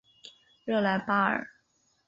热莱巴尔。